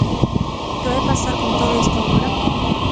¿Que vai pasar con todo isto agora?